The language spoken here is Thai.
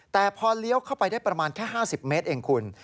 แต่พอเลี้ยวเข้าไปได้ประมาณแค่๕๐เมตรเองคุณ